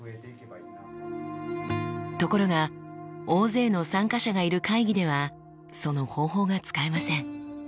ところが大勢の参加者がいる会議ではその方法が使えません。